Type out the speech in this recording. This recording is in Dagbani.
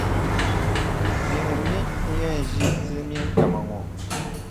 Nyini mi n-yɛn ʒi silimiinʼ kama ŋɔ.